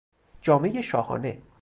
جامهی شاهانه